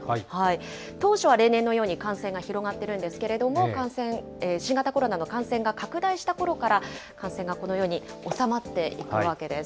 当初は例年のように感染が広がってるんですけれども、感染、新型コロナの感染が拡大したころから、感染がこのように収まっていくわけです。